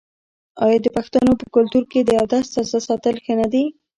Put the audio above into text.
آیا د پښتنو په کلتور کې د اودس تازه ساتل ښه نه دي؟